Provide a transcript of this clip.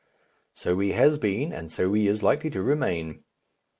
So he has been, and so he is likely to remain.